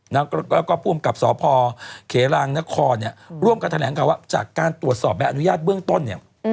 แล้วก็ผู้อำกับสพเขลางนครเนี่ยร่วมกันแถลงข่าวว่าจากการตรวจสอบใบอนุญาตเบื้องต้นเนี่ย